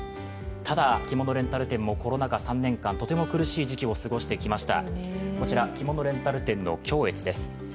ただ、着物レンタル店もコロナ禍３年間、とても苦しい時期を過ごしてきました。